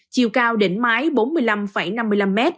chiều cao đỉnh mái bốn mươi năm năm mươi năm m